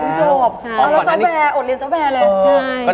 เพิ่งจบอ่ะแล้วซ้อมแบร์อดเรียนซ้อมแบร์แล้วใช่